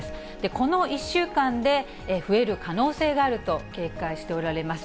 この１週間で増える可能性があると警戒しておられます。